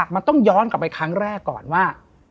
มันต้องย้อนกลับไปครั้งแรกก่อนว่า